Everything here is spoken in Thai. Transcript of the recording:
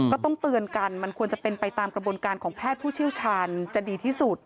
ก็ต้องเตือนกันมันควรจะเป็นไปตามกระบวนการของแพทย์ผู้เชี่ยวชาญจะดีที่สุด